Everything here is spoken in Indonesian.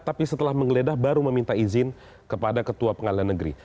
tapi setelah menggeledah baru meminta izin kepada ketua pengadilan negeri